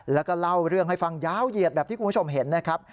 แล้วก็เล่าเรื่องให้ฟังยาวเหยียดแบบที่คุณผู้ชมเห็นนะครับ